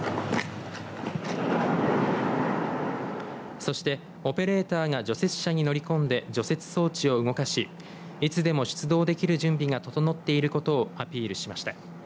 そして、オペレーターが除雪車に乗り込んで除雪装置を動かしいつでも出動できる準備が整っていることをアピールしました。